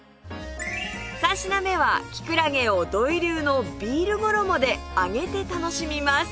３品目はきくらげを土井流のビール衣で揚げて楽しみます